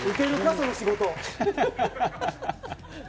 その仕事。